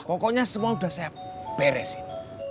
pokoknya semua sudah saya beresin